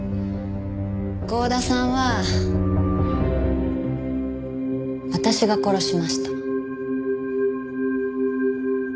郷田さんは私が殺しました。